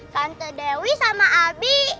kante dewi sama abi